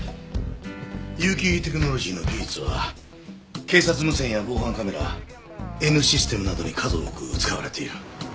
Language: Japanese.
結城テクノロジーの技術は警察無線や防犯カメラＮシステムなどに数多く使われている。